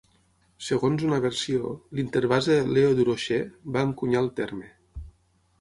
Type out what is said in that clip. Segons una versió, l'interbase Leo Durocher va encunyar el terme.